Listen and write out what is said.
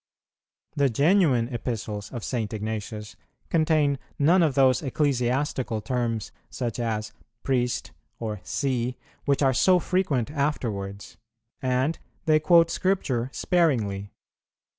The genuine Epistles of St. Ignatius contain none of those ecclesiastical terms, such as "Priest" or "See," which are so frequent afterwards; and they quote Scripture sparingly.